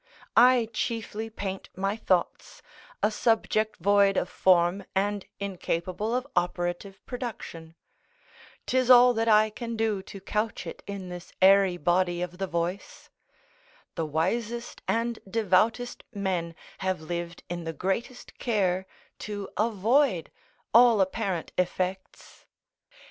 I chiefly paint my thoughts, a subject void of form and incapable of operative production; 'tis all that I can do to couch it in this airy body of the voice; the wisest and devoutest men have lived in the greatest care to avoid all apparent effects.